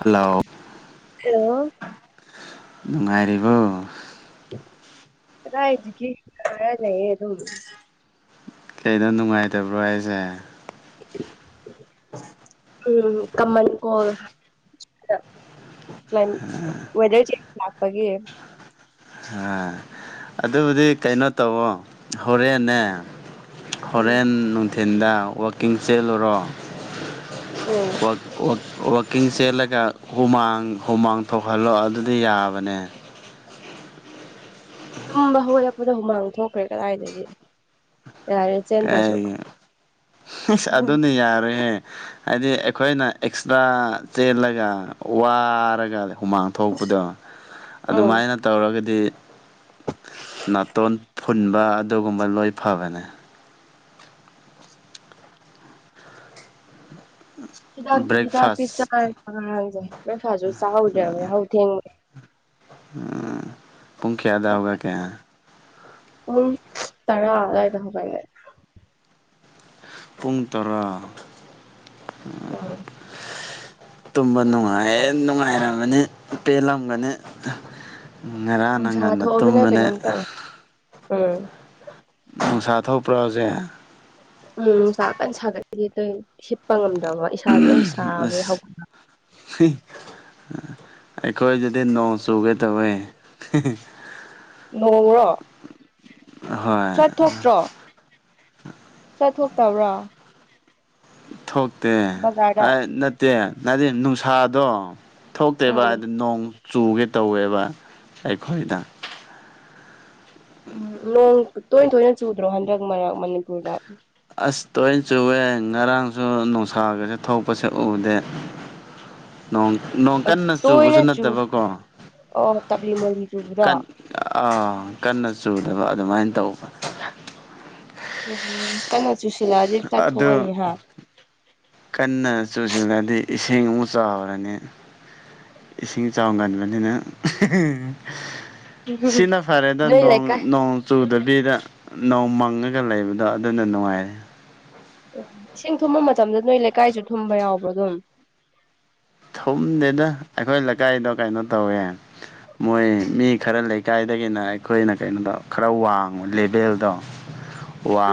hello hello ꯅꯨꯡꯉꯥꯏꯔꯤꯕꯣ ꯀꯥꯗꯥꯏ ꯗꯒꯤ ꯂꯩ ꯑꯗꯨꯝ ꯀꯩꯅꯣ ꯅꯨꯡꯉꯥꯏꯇꯕ꯭ꯔꯣ ꯍꯥꯏꯁꯦ [unintelligible] ꯎꯝ ꯀꯃꯜ ꯀꯣꯜ ꯂꯛꯄꯒꯤ ꯑ ꯑꯗꯨꯕꯨꯗꯤ ꯀꯩꯅꯣ ꯇꯧꯋꯣ ꯍꯣꯔꯦꯟꯅꯦ ꯎꯝ ꯍꯣꯔꯦꯟ ꯅꯨꯡꯊꯤꯟꯗ ꯋꯥꯛꯀꯤꯡ ꯆꯦꯜꯂꯨꯔꯣ ꯎꯝ ꯍꯣꯏ ꯋꯥꯛꯀꯤꯡ ꯆꯦꯜꯂꯒ ꯍꯨꯃꯥꯡ ꯍꯨꯃꯥꯡ ꯊꯣꯛꯍꯜꯂꯣ ꯑꯗꯨꯗꯤ ꯌꯥꯕꯅꯦ ꯇꯨꯝꯕ ꯍꯧꯂꯛꯄꯗ ꯍꯨꯃꯥꯡ ꯊꯣꯛꯈ꯭ꯔꯦ ꯀꯗꯥꯏꯗꯒꯤ ꯌꯥꯔꯦ ꯀ ꯆꯦꯟꯗ꯭ꯔꯁꯨ ꯑꯗꯨꯅꯦ ꯌꯥꯔꯣꯏꯍꯦ ꯍꯥꯏꯗꯤ ꯑꯩꯈꯣꯏꯅ ꯑꯦꯛꯁꯇ꯭ꯔꯥ ꯆꯦꯜꯂꯒ ꯋꯥꯔꯒ ꯍꯨꯃꯥꯡ ꯊꯣꯛꯄꯗꯣ ꯎꯝ ꯑꯗꯨꯃꯥꯏꯅ ꯇꯧꯔꯒꯗꯤ ꯅꯥꯇꯣꯟ ꯐꯨꯟꯕ ꯑꯗꯨꯒꯨꯝꯕ ꯂꯣꯏ ꯐꯕꯅꯦ ꯍꯤꯗꯥ ꯍꯤꯗꯥꯗꯤ ꯕ꯭ꯔꯦꯛꯐꯥꯁ ꯆ ꯆ ꯐꯥꯖ ꯆ ꯍ ꯂꯕ ꯍꯥꯎ ꯊꯦꯡ [unintelligible] ꯎꯝ ꯄꯨꯡ ꯀꯌꯥꯗ ꯍꯧꯒꯠꯀꯦ ꯎꯝ ꯇꯔꯥ ꯑꯗꯥꯥꯏꯗ ꯍꯧꯒꯠꯂꯦ ꯄꯨꯡ ꯇꯔꯥ ꯑꯝ ꯇꯨꯝꯕ ꯅꯨꯡꯉꯥꯏ ꯅꯨꯡꯉꯥꯏꯔꯝꯃꯅꯤ ꯄꯦꯜꯂꯝꯒꯅꯤ ꯉꯔꯥꯡꯅ ꯅꯨꯡꯁꯥ ꯉꯟꯅ ꯇꯨꯝꯕꯅꯦ ꯑꯝ ꯅꯨꯡꯁꯥ ꯊꯣꯛꯄ꯭ꯔꯁꯦ ꯎꯝ ꯅꯨꯡꯁ ꯀꯟ ꯁꯥꯒꯠꯈꯤ ꯑ ꯍꯤꯞꯄ ꯉꯝꯗꯦ ꯏꯁꯥꯗ ꯂꯣꯏ ꯁꯥꯕꯩ ꯍꯧꯠ ꯑꯩꯈꯣꯏ ꯑꯗꯨꯗꯤ ꯅꯣꯡ ꯆꯨꯒꯦ ꯇꯧꯋꯦ ꯉꯣꯡꯔꯣ ꯍꯣꯏ ꯆꯠꯊꯇ꯭ꯔꯣ ꯆꯠꯊꯣꯛꯇꯕ꯭ꯔꯥ ꯊꯣꯛꯇꯦ ꯅꯠꯇꯦ ꯅꯗꯤ ꯅꯨꯡꯁꯥꯗꯣ ꯊꯣꯛꯇꯦꯕ ꯎꯝ ꯑꯗꯨ ꯅꯣꯡ ꯆꯨꯒꯦ ꯇꯧꯋꯦꯕ ꯑꯩꯈꯣꯏꯗ ꯎꯝ ꯅꯣꯡ ꯇꯣꯏ ꯇꯣꯏꯅ ꯆꯨꯗ꯭ꯔꯣ ꯍꯟꯗꯛ ꯃꯔꯛ ꯃꯅꯤꯄꯨꯔꯗ ꯑꯁ ꯇꯣꯏꯅ ꯆꯨꯑꯦ ꯉꯔꯥꯡꯁꯨ ꯅꯨꯡꯁꯥꯒꯁꯨꯦ ꯊꯣꯛꯄꯁꯦ ꯎꯗꯦ [unintelligible] ꯅꯣꯡ ꯅꯣꯡ ꯀꯟꯅ ꯆꯨꯕꯁꯨ ꯇꯣꯏꯅ ꯆꯨ ꯅꯠꯇꯕꯀꯣ ꯑꯣ ꯇꯞꯂꯤ ꯃꯣꯂꯤ ꯆꯨꯕꯗꯣ ꯀ ꯑꯥ ꯀꯟꯅ ꯆꯨꯗꯕ ꯑꯗꯨꯃꯥꯏꯅ ꯇꯧꯕ ꯎꯝ ꯀꯩꯅ ꯑꯗꯨ ꯀꯟꯅ ꯆꯨꯁꯤꯂꯗꯤ ꯏꯁꯤꯡ ꯆꯥꯎꯔꯅꯤ ꯏꯁꯤꯡ ꯆꯥꯎꯒꯟꯕꯅꯤꯅ ꯁꯤꯅ ꯐꯔꯦꯗ ꯅꯣꯏ ꯅꯣꯡ ꯂꯩꯀꯥꯏ ꯅꯣꯡ ꯆꯨꯗ ꯅꯨꯕꯤꯗ ꯅꯣꯡꯧ ꯃꯪꯉꯒ ꯂꯩꯕꯗꯣ ꯑꯗꯨꯅ ꯅꯨꯡꯉꯥꯏꯔꯦ ꯑꯣ ꯏꯁꯤꯡ ꯊꯨꯝꯕ ꯃꯇꯝꯗ ꯅꯣꯏ ꯂꯩꯀꯥꯏꯁꯨ ꯊꯨꯝꯕ ꯌꯥꯎꯕ꯭ꯔꯣ ꯑꯗꯨꯝ ꯊꯨꯝꯗꯦꯗ ꯑꯩꯈꯣꯏ ꯂꯩꯀꯥꯏꯗꯣ ꯀꯩꯅꯣ ꯇꯧꯋꯦ ꯃꯣꯏ ꯃꯤ ꯈꯔ ꯂꯩꯀꯥꯏꯗꯒꯤꯅ ꯑꯩꯈꯣꯏꯅ ꯀꯩꯅꯣꯗ ꯈꯔ ꯋꯥꯡꯕ ꯂꯦꯚꯦꯜꯗꯣ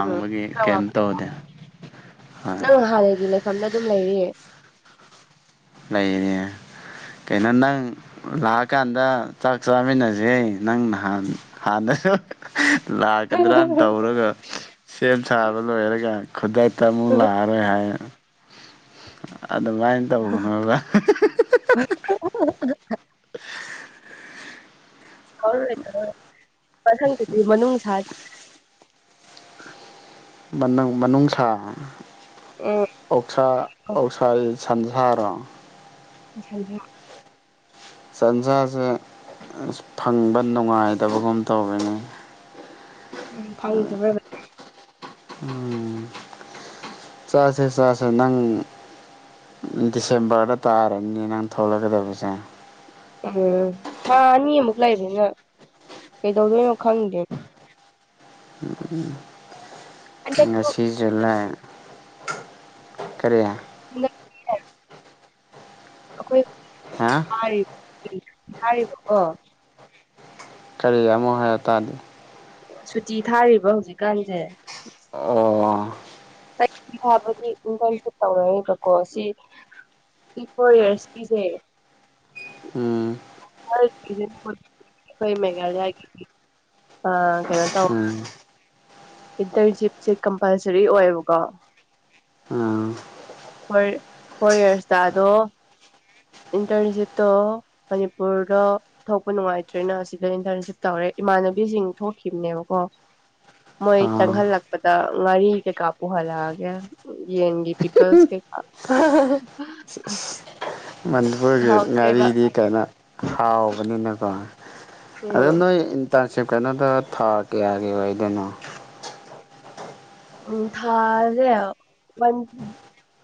ꯎꯝ ꯀꯩꯝ ꯇꯧꯗꯦ ꯑꯣꯏ ꯃꯐꯝꯗ ꯑꯗꯨꯝ ꯂꯩꯔꯤꯌꯦ ꯂꯩꯅꯦ ꯀꯩꯅꯣ ꯅꯪ ꯂꯥꯛꯑꯀꯥꯟꯗ ꯆꯥꯛ ꯆꯥꯃꯤꯟꯅꯁꯦ ꯅꯪꯥꯟ ꯍꯥꯟꯅ [unintelligible] ꯂꯥꯛꯀꯗ꯭ꯔꯅ ꯇꯧꯔꯒ ꯁꯦꯝ ꯁꯥꯕ ꯂꯣꯏꯔꯒ ꯈꯨꯗꯛꯇ ꯑꯃꯨꯛ ꯂꯥꯛꯑꯔꯣꯏ ꯍꯥꯏ ꯑꯗꯨꯃꯥꯏꯅ ꯇꯧꯕꯅꯣꯒ ꯑꯣ [unintelligible] ꯔ ꯃꯊꯪꯗꯗꯤ ꯃꯅꯨꯡ ꯁꯥ ꯃꯅꯨꯡꯁꯥ ꯎꯝ ꯑꯣꯛꯁꯥ ꯑꯣꯀꯁꯥ ꯁꯟꯁꯥꯔꯣ ꯉꯁꯥꯏꯖꯦ ꯁꯟꯁꯥꯁꯦ ꯑ ꯐꯪꯕ ꯅꯨꯡꯉꯥꯏꯗꯕꯒꯨꯝ ꯇꯧꯔꯤꯅꯤ ꯎꯝ ꯐꯪꯗꯕ꯭ꯔꯕ꯭ꯔꯥ ꯎꯝ ꯆꯁꯦ ꯆꯁꯦ ꯅꯪ ꯗꯤꯁꯦꯝꯕꯔꯗ ꯇꯥꯔꯅꯤꯅꯦ ꯅꯪ ꯊꯣꯛꯂꯛꯀꯗꯕꯁꯦ ꯎꯝ ꯊꯥ ꯑꯅꯤꯃꯨꯛ ꯂꯩꯕꯅꯤꯅ ꯀꯩꯗꯧꯗꯣꯏꯅꯣ ꯈꯪꯗꯦ ꯎ ꯍꯟꯗꯛꯁꯨ ꯑꯁꯤ ꯖꯨꯂꯥꯏ ꯀꯔꯤ ꯍ ꯍꯥ ꯑꯩꯈꯣꯏ ꯊꯔꯤꯕꯀꯣ ꯀꯔꯤ ꯑꯃꯣ ꯍꯥꯏꯔ ꯇꯥꯔꯗꯤ ꯁꯨꯇꯤ ꯊꯥꯔꯤꯕ ꯍꯧꯖꯤꯛꯀꯥꯟꯁꯦ ꯑꯣ ꯊꯥꯕꯗꯤ ꯏꯟꯇꯔꯟꯁꯤꯞ ꯇꯧꯔꯣꯏꯕꯀꯣ ꯁꯤ ꯐꯣꯔ ꯏꯔꯁꯀꯤꯁꯦ ꯎꯝ ꯍꯣꯏ ꯃꯦꯘ ꯍꯥꯏ ꯑ ꯀꯩꯅꯣ ꯇꯧ ꯎꯝ ꯏꯟꯇꯔꯟꯁꯤꯞꯁꯦ ꯀꯝꯄꯜꯁꯔꯤ ꯑꯣꯏꯌꯦꯕꯀꯣ ꯑꯥ ꯐ ꯐꯣꯔ ꯌꯌꯥꯔꯁꯇ ꯑꯗꯣ ꯏꯟꯇꯔꯟꯁꯤꯞꯇꯣ ꯃꯅꯤꯄꯨꯔꯗ ꯊꯣꯛꯄ ꯅꯨꯡꯉꯥꯏꯇ꯭ꯔꯦꯅ ꯑꯁꯤꯗ ꯏꯟꯇꯔꯟꯁꯤꯞ ꯇꯧꯔꯦ ꯏꯃꯥꯟꯅꯕꯤꯁꯤꯡ ꯊꯣꯛꯈꯤꯕꯅꯦꯕꯀꯣ ꯃꯣꯏ ꯑꯣ ꯆꯪꯍꯜꯂꯛꯄꯗ ꯉꯥꯔꯤ ꯀꯩꯀꯥ ꯄꯨꯍꯜꯂꯛꯑꯒꯦ ꯌꯦꯟ ꯄꯤꯁ ꯀ ꯃꯅꯤꯄꯨꯔꯒꯤ ꯉꯥꯔꯤꯗꯤ ꯀꯥꯏꯩꯅꯣ ꯍꯥꯎꯕꯅꯤꯅꯀꯣ ꯎꯝ ꯑꯅꯣ ꯆꯞ ꯀꯩꯅꯣꯗ ꯊꯥ ꯀꯌꯥꯒꯤ ꯑꯣꯏꯗꯣꯏꯅꯣ ꯎꯝ ꯊꯔꯦ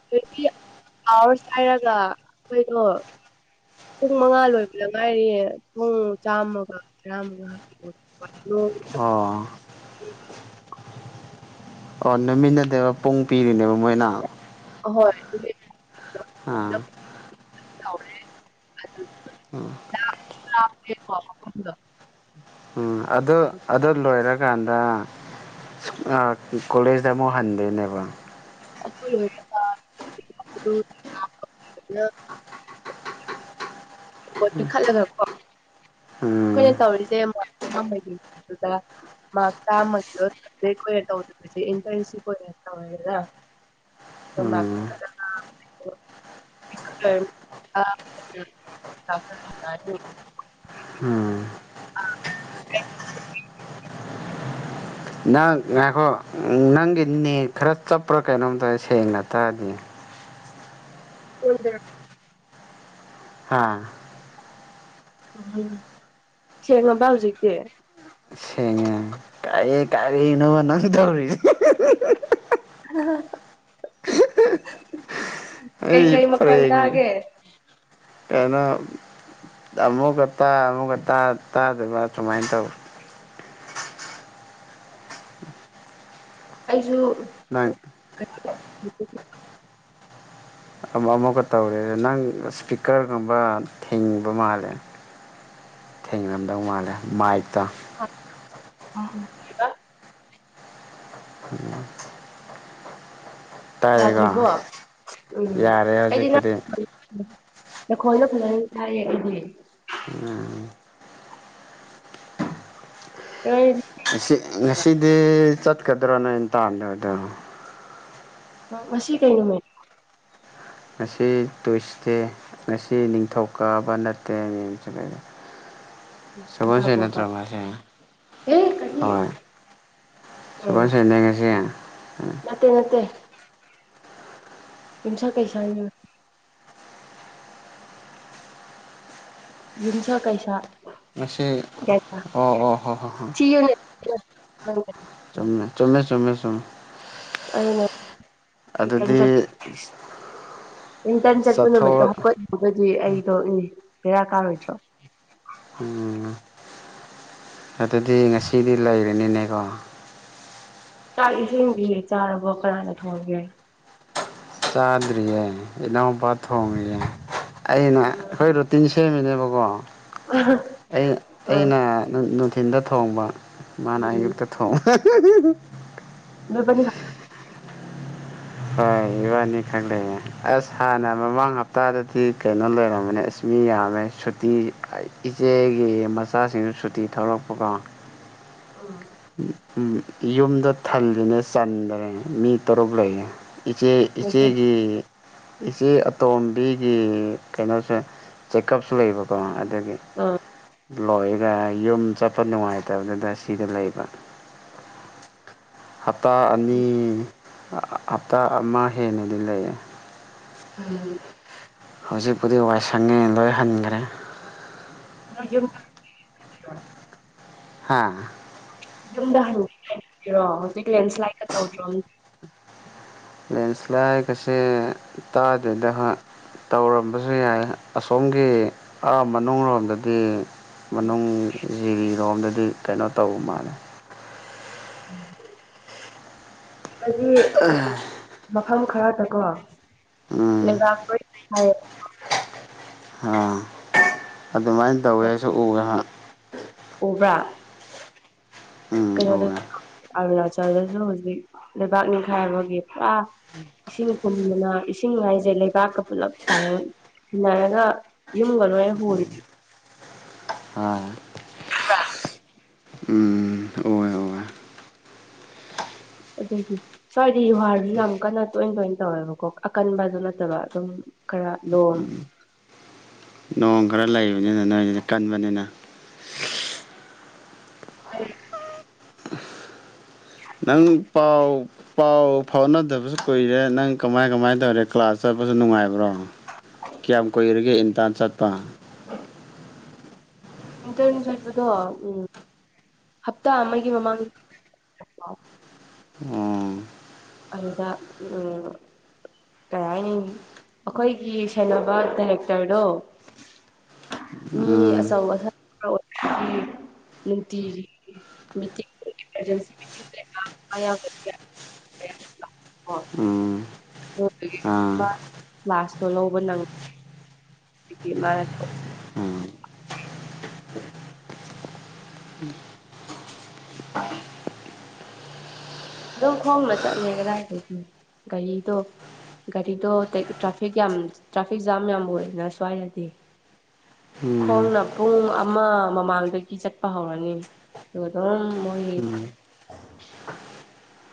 ꯇ꯭ꯋꯦꯟꯇꯤ ꯑꯋꯥꯔꯁ ꯍꯥꯏꯔꯒ ꯑꯩꯈꯣꯏꯗꯣ ꯄꯨꯡ ꯃꯉꯥ ꯂꯣꯏꯕꯗ ꯉꯥꯏꯔꯤꯌꯦ ꯄꯨꯡ ꯆꯥꯝꯃꯒ ꯇꯔꯥꯃꯉꯥ ꯑꯣ ꯑꯣ ꯅꯨꯃꯤꯟꯅꯗꯕ ꯄꯨꯡ ꯄꯤꯔꯤꯅꯦꯕ ꯃꯣꯏꯅ ꯍꯣꯏ ꯑꯥ ꯎꯝ [unintelligible] ꯎꯝ ꯑꯗꯨ ꯑꯗꯨ ꯂꯣꯏꯔꯀꯥꯟꯗ ꯑ ꯀꯣꯂꯦꯖꯗ ꯃꯣ ꯍꯥꯟꯗꯦꯅꯦꯕ [unintelligible] [unintelligible] ꯄꯣ ꯄꯤꯈꯠꯂꯒꯀꯣ ꯎꯝ ꯑꯩꯈꯣꯏꯅ ꯇꯧꯔꯤꯁꯦ ꯑꯃꯨꯛ ꯑꯕꯒꯤ ꯗ ꯃꯥ ꯆ ꯃꯀꯣ ꯌꯦꯛꯇꯗ ꯏꯟꯇꯔꯟꯁꯤꯄ ꯑꯣꯏ ꯌꯥ ꯑꯣꯏꯦ ꯎꯝ ꯀꯔ [inaudible] ꯎꯝ [inaudible] ꯅꯪ ꯉꯥꯏꯈꯣ ꯅꯪꯒꯤ ꯅ ꯈꯔ ꯆꯞꯄ꯭ꯔꯥ ꯀꯩꯅꯣꯝ ꯇꯧꯔꯦ ꯁꯦꯡꯅ ꯇꯥꯔꯅꯤ ꯑꯣꯗ ꯍꯥꯥ ꯎ ꯁꯦꯡꯉꯝꯕ ꯍꯧꯖꯤꯛꯦ ꯁꯦꯡꯉ ꯀꯦ ꯀꯔꯤ ꯏꯅꯣꯕ ꯅꯁꯤ ꯇ [inaudible] ꯑꯩ ꯀꯩꯀꯩ ꯃꯈꯣꯟ ꯄꯦꯅꯤ ꯇꯥꯒꯦ ꯀꯩꯅ ꯑꯃꯨꯛꯀ ꯇꯥ ꯑꯃꯨꯛꯀ ꯇꯥ ꯇꯥꯗꯕ ꯁꯨꯃꯥꯏꯅ ꯇꯧ [inaudible] ꯑꯩꯁꯨ [inaudible] ꯑꯃꯨꯛꯀ ꯇꯧꯔꯦ ꯑꯗ ꯅꯪ ꯏꯁꯄꯤꯀꯔꯒꯨꯝꯕ ꯊꯦꯡꯕ ꯃꯥꯜꯂꯦ ꯊꯦꯡꯅꯔꯝꯗꯧ ꯃꯥꯜꯂꯦ ꯃꯥꯏꯛꯇ ꯎꯝ ꯎꯝ ꯎꯝ ꯌꯥꯗ꯭ꯔꯤꯕꯣ ꯎꯝ ꯌꯥꯔꯦ ꯑꯩꯗꯤ ꯉ ꯍꯧꯖꯤꯛꯄꯨꯗꯤ ꯂꯈꯣꯏꯅ ꯐꯖꯅ ꯊꯗꯤꯦ ꯎꯝ ꯑꯩꯗꯤ ꯉꯁꯤ ꯉꯁꯤꯗꯤ ꯆꯠꯀꯗ꯭ꯔꯣ ꯅꯣꯏ ꯇꯥꯟꯗꯣꯗ ꯑ ꯑꯁꯤ ꯀꯩ ꯉꯃꯥꯏ ꯉꯁꯤ ꯇꯨꯁꯇꯦ ꯉꯁꯤ ꯅꯤꯡꯊꯧꯀꯥꯕ ꯅꯠꯇꯦ ꯃꯦꯝꯩꯗ [inaudible] ꯁꯒꯣꯏ ꯀꯩꯀꯥ ꯁꯦ ꯀꯣꯕ ꯅꯠꯇ꯭ꯔꯣ ꯃꯥꯁꯦ ꯑꯦ ꯀꯔꯤ ꯍꯣꯏ ꯁꯃ ꯎꯝ ꯁꯤꯉꯁꯤ ꯅꯠꯇꯦ ꯅꯠꯇꯦ ꯏꯟꯁ ꯀꯩꯁꯥ ꯌꯨꯝꯁꯥ ꯀꯩꯁꯥ ꯃꯁꯤꯁ ꯀꯩꯁꯥ ꯑꯣ ꯑꯣ ꯍ ꯊꯤꯌꯨꯅꯦ ꯅꯪ ꯆꯨꯝꯃꯦ ꯆꯨꯝꯃꯦ ꯆꯨꯝꯃꯦ ꯆꯨꯝꯃꯦ [unintelligible] ꯑꯗꯨꯗꯤ ꯑꯩꯇꯟ ꯆꯠꯄ ꯅꯨꯃꯤꯠꯇꯣ ꯆꯠꯊꯣꯛ ꯍꯥꯞꯄꯠꯂꯒꯗꯤ ꯑꯩꯗꯣꯅꯦ ꯦꯔꯥ ꯀꯥꯔꯣꯏꯗ꯭ꯔꯣ ꯎꯝ ꯑꯗꯨꯗꯤ ꯉꯁꯤꯗꯤ ꯂꯩꯔꯅꯤꯅꯦꯀꯣ ꯆꯥꯛꯏꯁꯤꯡꯗꯤ ꯆꯥꯔꯕꯣ ꯀꯅꯥꯏꯗ ꯊꯣꯡꯑꯒꯦ ꯆꯥꯗꯔꯤꯌꯦ ꯏꯅꯥꯎꯄꯥ ꯊꯣꯡꯉꯒꯦ ꯑꯩꯅ ꯑꯩꯈꯣꯏ ꯔꯨꯇꯤꯟ ꯁꯦꯝꯃꯤꯅꯦꯕꯀꯣ ꯑꯩ ꯑꯥ ꯑꯩꯅ ꯅꯨꯡꯊꯤꯟꯗ ꯊꯣꯡꯕ ꯃꯥꯅ ꯎꯝ ꯑꯌꯨꯛꯇ ꯊꯣꯡꯕ [unintelligible] ꯅꯕꯅꯤ ꯍꯣꯏ ꯏꯕꯥꯅꯤ ꯈꯛ ꯂꯩꯌꯦꯦ ꯑꯁ ꯍꯥꯟꯅ ꯃꯃꯥꯡ ꯍꯞꯇꯥꯗꯗꯤ ꯀꯩꯅꯣ ꯂꯩꯔꯝꯝꯕꯅꯦ ꯃꯤ ꯌꯥꯝꯃꯦ ꯁꯨꯇꯤ ꯏꯆꯦꯒꯤ ꯃꯆꯥꯁꯤꯡꯁꯨ ꯁꯨꯇꯤ ꯊꯧꯔꯛꯄꯀꯣ ꯑ ꯎ ꯌꯨꯝꯗ ꯊꯜꯂꯤꯅꯦ ꯆꯟꯗ꯭ꯔꯦ ꯃꯤ ꯇꯔꯨꯛ ꯂꯩꯌꯦꯦ ꯏꯆꯦ ꯑꯣꯏꯗꯣꯏ ꯏꯆꯦꯒꯤ ꯏꯆꯦ ꯑꯇꯣꯝꯕꯤꯒꯤ ꯀꯩꯅꯣꯁꯨ ꯆꯦꯛꯑꯞꯁꯨ ꯂꯩꯕꯀꯣ ꯑꯗꯒꯤ ꯑꯥ ꯂꯣꯏꯒ ꯌꯨꯝ ꯆꯠꯄ ꯅꯨꯡꯉꯥꯏꯇꯕꯗꯨꯗ ꯁꯤꯗ ꯂꯩꯕ ꯍꯥꯇꯥ ꯑꯅꯤ ꯍꯞꯇꯥ ꯑꯃ ꯍꯦꯟꯅꯗꯤ ꯂꯩꯌꯦ ꯑꯝ ꯍꯧꯖꯤꯛꯄꯨꯗꯤ ꯋꯥꯏꯁꯪꯉꯦ ꯂꯣꯏ ꯍꯟꯈ꯭ꯔꯦ ꯑ ꯌꯦ ꯍꯥꯥ ꯌꯨꯝꯗ ꯍꯔꯣ ꯍꯧꯖꯤꯛ ꯂꯦꯟꯁ꯭ꯂꯥꯏꯗꯀ ꯇꯧꯗ꯭ꯔꯣ ꯂꯦꯟꯁ꯭ꯂꯥꯏꯠ ꯀꯁꯦ ꯇꯥꯗꯦꯗ ꯇꯧꯔꯝꯕꯁꯨ ꯌꯥꯏ ꯑꯁꯣꯝꯒꯤ ꯃꯅꯨꯡ ꯂꯣꯝꯗꯗꯤ ꯃꯅꯨꯡ ꯖꯤꯔꯤꯔꯣꯝꯗꯗꯤ ꯀꯩꯅꯣ ꯇꯧ ꯃꯥꯅꯦ ꯍꯥꯏꯗꯤ ꯃꯐꯝ ꯈꯔ ꯀꯣ ꯎꯝ ꯂꯩꯕꯥꯛ ꯍꯥꯏ ꯑꯥ ꯑꯗꯨꯃꯥꯏꯅ ꯇꯧꯋꯦꯁꯨ ꯎꯕꯦꯍꯥꯛ ꯎꯕ꯭ꯔꯥ ꯎꯋꯦ ꯀꯩꯅꯣꯗꯁꯨ ꯑꯔꯨꯅꯥꯆꯜꯗꯁꯨ ꯍꯧꯖꯤꯛ ꯂꯩꯕꯥꯛ ꯅꯤꯡꯈꯥꯏ ꯑꯃꯒꯤꯒꯤ ꯄꯨꯔꯥ ꯏꯁꯤꯡ ꯈꯨꯝꯗꯅ ꯏꯁꯤꯡ ꯍꯥꯏꯥꯏꯁꯦ ꯂꯩꯕꯥꯛꯀ ꯄꯨꯜꯂꯞ ꯇꯥꯏꯌꯣꯟꯟꯅꯔꯒ ꯏꯨꯡꯒꯜꯋꯥ ꯍ ꯑ ꯍꯥ ꯎꯝ ꯑꯣ ꯑꯣ ꯑꯗꯒꯤ ꯁ꯭ꯋꯥꯏꯗꯤ ꯌꯨꯍꯥꯔꯁꯨ ꯌꯥꯝ ꯀꯟꯅ ꯇꯣꯏꯅ ꯇꯣꯏꯅ ꯇꯧꯋꯦꯕꯀꯣ ꯑꯀꯟꯕ ꯑꯗꯨ ꯅꯠꯇꯕ ꯑꯗꯨꯝ ꯈꯔ ꯂꯣꯝ ꯅꯣꯡ ꯈꯔ ꯂꯩꯕꯅꯤꯅ ꯅꯣꯏꯁꯤꯅ ꯀꯟꯕꯅꯤꯅ ꯎꯝ ꯅꯪ ꯄꯥꯎ ꯄꯥꯎ ꯐꯥꯎꯅꯗꯕꯁꯨ ꯀꯨꯏꯔꯦ ꯅꯪ ꯀꯃꯥꯏ ꯀꯃꯥꯏꯅ ꯇꯧꯔꯦ ꯀ꯭ꯂꯥꯁ ꯆꯠꯄꯁꯨ ꯅꯨꯡꯉꯥꯏꯕ꯭ꯔꯣ ꯀꯌꯥꯝ ꯀꯨꯏꯔꯒꯦ ꯏꯟꯇ ꯏꯟꯇꯔꯟ ꯆꯠꯄꯗꯣ ꯎꯝ ꯍꯞꯇꯥ ꯑꯃꯒꯤ ꯃꯃꯥꯡꯗ ꯎ ꯑꯗꯨꯗ ꯎꯝ ꯀꯩ ꯍꯥꯏꯅꯤ ꯑꯩꯈꯣꯏꯒꯤ ꯁꯦꯟꯅꯕ ꯀꯗꯥꯏꯔꯦꯛꯇꯔꯗꯣ ꯃꯤ ꯎꯝ ꯑꯥ ꯃꯤꯇꯃꯖꯦꯟꯁꯤ ꯃꯤꯇ ꯎꯝ ꯑꯥ ꯃꯥꯁ ꯇꯣꯍꯧꯕ ꯅꯪ ꯃꯥꯅ [inaudible] ꯎꯝ ꯑꯗꯨꯝ ꯈꯣꯡꯅ ꯆꯠꯂꯦ ꯀꯗꯥꯏꯗꯒꯤ ꯒꯥꯔꯤꯗꯣ ꯒꯥꯔꯤꯗꯣ ꯇ꯭ꯔꯥꯐꯤꯛ ꯌꯥꯝ ꯇ꯭ꯔꯥꯐꯤꯛ ꯖꯥꯝ ꯌꯥꯝꯕ ꯑꯣꯏꯗꯅ ꯁ꯭ꯋꯥꯏꯗꯗꯤ ꯎꯝ ꯈꯣꯡꯅ ꯄꯨꯡ ꯑꯃ ꯃꯃꯥꯡꯗꯒꯤ ꯆꯠꯄ ꯍꯧꯔꯅꯤ ꯑꯗꯨꯒ ꯑꯗꯨꯝ ꯃꯣꯏ ꯍꯥꯏ ꯎꯝ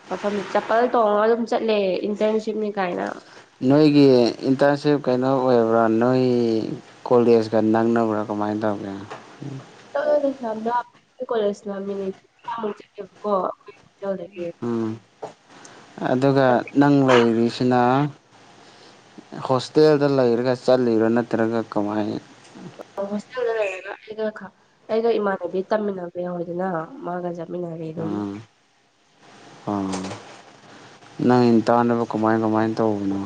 ꯃ ꯆꯄꯜ ꯇꯣꯡꯉꯒ ꯑꯗꯨꯝ ꯆꯠꯂꯦ ꯏꯟꯇꯔꯟꯁꯤꯞꯅꯤ ꯀꯥꯏꯅ ꯅꯣꯏꯒꯤ ꯏꯟꯇꯔꯟꯁꯤꯞ ꯀꯩꯅꯣ ꯑꯣꯏꯕ꯭ꯔꯥ ꯅꯣꯏ ꯀꯣꯂꯦꯖꯀ ꯅꯥꯡꯅꯕ꯭ꯔꯥꯀꯣ ꯀꯃꯥꯏ ꯇꯧꯒ ꯀꯣꯂꯦꯖꯃꯤꯨ ꯆꯠꯦꯕꯀꯣ ꯎꯝ ꯑꯗꯨꯒ ꯅꯪ ꯂꯩꯔꯤꯁꯤꯅ ꯍꯣꯁꯇꯦꯜꯗ ꯂꯩꯔꯒ ꯆꯠꯂꯤꯔꯣ ꯅꯠꯇ꯭ꯔꯒ ꯀꯃꯥꯏ [inaudible] ꯗ ꯂꯩꯔꯒ ꯑꯩꯒ ꯑꯩꯒ ꯏꯃꯥꯟꯅꯕꯤ ꯇꯝꯃꯤꯟꯅꯕ ꯌꯥꯎꯗꯅ ꯃꯥꯒ ꯆꯠꯃꯤꯟꯅꯔ ꯑꯗꯨꯝ [inaudible] ꯑꯝ ꯏꯟ ꯇꯥꯟꯅꯕ ꯀꯃꯥꯏ ꯀꯃꯥꯏꯅ ꯇꯧꯕꯅꯣ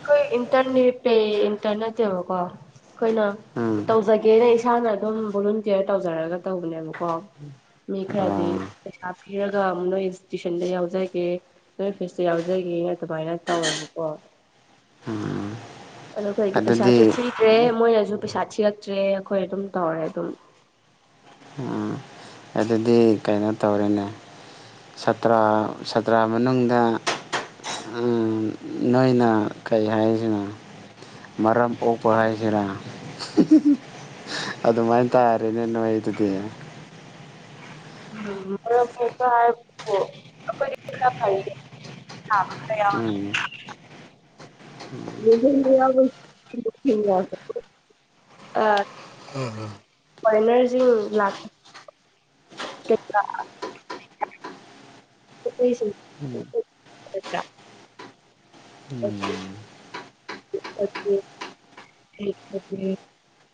ꯑꯩꯈꯣꯏ ꯏꯟꯇꯔꯅꯦꯠ ꯄꯦ ꯏꯟꯇꯔꯅꯦꯠꯇꯦꯕꯀꯣ ꯑꯩꯈꯣꯏꯅ ꯎꯝ ꯇꯧꯖꯒꯦꯅ ꯏꯁꯥꯅ ꯑꯗꯨꯝ ꯚꯣꯂꯨꯟꯇꯤꯌꯔ ꯇꯧꯖꯔꯒ ꯇꯧꯕꯅꯦꯕꯀꯣ ꯑꯣ ꯈꯔꯗꯤ ꯄꯩꯁꯥ ꯄꯤꯔꯒ ꯑꯃꯨꯛ ꯅꯣꯏ ꯏꯟꯁꯇꯤꯇ꯭ꯌꯨꯁꯟꯗ ꯌꯥꯎꯖꯒꯦ ꯅꯣꯏ ꯑꯣꯐꯤꯁꯇ ꯌꯥꯎꯖꯒꯦ ꯁꯨꯃꯥꯏꯅ ꯇꯧꯋꯦꯕꯀꯣ ꯑꯗꯣ ꯑꯩꯈꯣꯏꯒꯤ ꯑꯗꯨꯗꯤ ꯄꯩꯁꯥꯁꯨ ꯊꯤꯗ꯭ꯔꯦ ꯃꯣꯏꯅꯁꯨ ꯄꯩꯁꯥ ꯆꯤꯛꯇ꯭ꯔꯦ ꯑꯩꯈꯣꯏ ꯑꯗꯨꯝ ꯇꯧꯔꯦ ꯑꯗꯨꯝ ꯑꯗꯨꯗꯤ ꯀꯩꯅꯣ ꯇꯧꯔꯦꯅꯦ ꯁꯥꯇ꯭ꯔ ꯁꯥꯇ꯭ꯔꯥ ꯃꯅꯨꯡꯗ ꯅꯣꯏꯅ ꯀꯩ ꯍꯥꯏꯔꯤꯁꯤꯅꯣ ꯃꯔꯝ ꯑꯣ ꯄ ꯍꯥꯏꯁꯤꯅ ꯑꯗꯨꯃꯥꯏꯅ ꯇꯥꯔꯦꯅꯦ ꯅ ꯑꯩꯗꯨꯗꯤ ꯎꯝꯁꯨ ꯍꯥꯏ ꯑꯩꯈꯣꯏ ꯎꯝ [inaudible] ꯑ ꯐꯣꯔꯦꯟꯅꯔꯁꯤꯡ ꯂꯥꯛꯄ [inaudible] [inaudible] [inaudible]